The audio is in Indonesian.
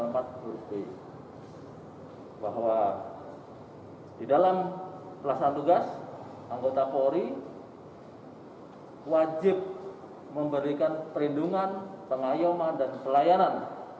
bahwa di dalam pelaksanaan tugas anggota polri wajib memberikan perlindungan pengayuman dan pelayanan